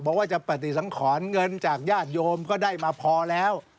บอกว่าจะปฏิสังขรเงินจากญาติโยมก็ได้มาพอแล้ว